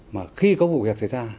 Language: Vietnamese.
mà khi có vụ việc xảy ra